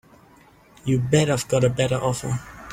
You bet I've got a better offer.